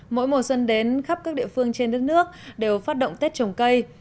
mỗi mùa xuân đến khắp các địa phương trên đất nước đều phát động tết trồng cây